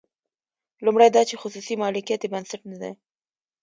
لومړی دا چې خصوصي مالکیت یې بنسټ نه دی.